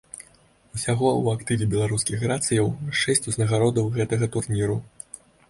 Усяго ў актыве беларускіх грацыяў шэсць узнагародаў гэтага турніру.